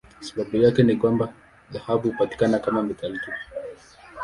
Sababu yake ni kwamba dhahabu hupatikana kama metali tupu.